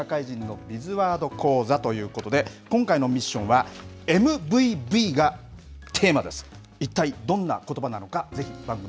今度はこちらとまどい社会人のビズワード講座ということで今回のミッションは、ＭＶＶがテーマです。